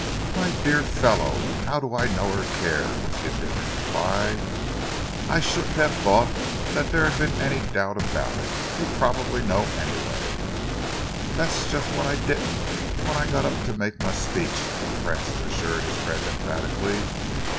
"My dear fellow, how do I know or care?" was the indifferent reply. "I shouldn't have thought that there had been any doubt about it. You probably know, anyway." "That's just what I didn't when I got up to make my speech," Francis assured his friend emphatically.